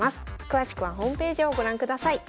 詳しくはホームページをご覧ください。